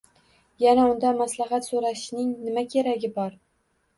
Yana undan maslahat so`rashning nima keragi bor